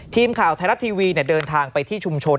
ทีมข่าวไทยรัฐทีวีเดินทางไปที่ชุมชน